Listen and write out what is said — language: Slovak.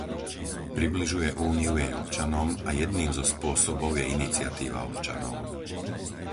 Približuje Úniu jej občanom a jedným zo spôsobov je iniciatíva občanov.